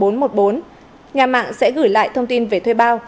nhà mạng sẽ gửi lại thông tin về thuê bao